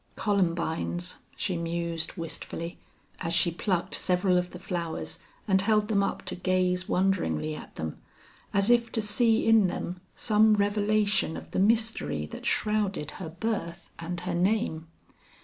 "Columbines," she mused, wistfully, as she plucked several of the flowers and held them up to gaze wonderingly at them, as if to see in them some revelation of the mystery that shrouded her birth and her name.